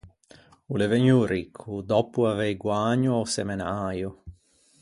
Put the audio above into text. O l’é vegnuo ricco dòppo avei guägno a-o semenäio.